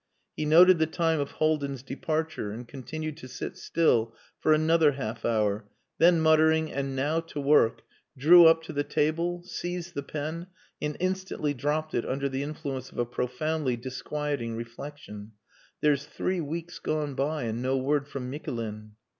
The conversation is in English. He noted the time of Haldin's departure and continued to sit still for another half hour; then muttering, "And now to work," drew up to the table, seized the pen and instantly dropped it under the influence of a profoundly disquieting reflection: "There's three weeks gone by and no word from Mikulin."